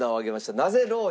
なぜローに？